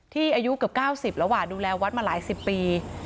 อายุเกือบ๙๐แล้วดูแลวัดมาหลายสิบปี